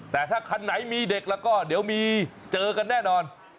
แต่ถ้าคันไหนมีเด็กแล้วก็เดี๋ยวมีเจอกันแน่นอน